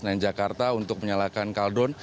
nenjakarta untuk menyalakan kaldon